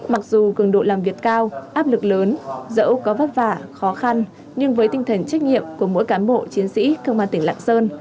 mặc dù cường độ làm việc cao áp lực lớn dẫu có vất vả khó khăn nhưng với tinh thần trách nhiệm của mỗi cán bộ chiến sĩ công an tỉnh lạng sơn